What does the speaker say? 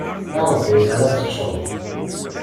Aɣ-d ayen ara teččeḍ.